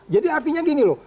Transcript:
jadi artinya gini loh